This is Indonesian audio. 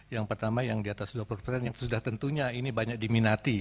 yang pertama yang diatas dua puluh yang sudah tentunya ini banyak diminati